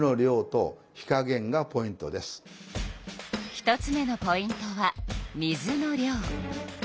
１つ目のポイントは水の量。